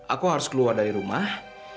aku harus keluar dari rumah